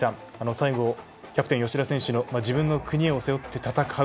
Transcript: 最後キャプテン吉田選手の自分の国を背負って戦う。